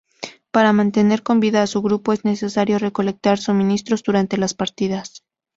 Para mantener con vida a su grupo, es necesario recolectar suministros durante las partidas.